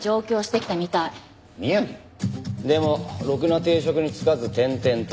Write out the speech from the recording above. でもろくな定職に就かず転々と。